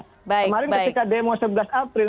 kemarin ketika demo sebelas april